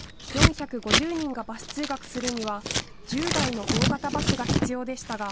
４５０人がバス通学するには１０台の大型バスが必要でしたが。